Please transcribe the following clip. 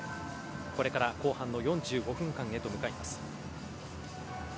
これから後半の４５分間へと向かいます。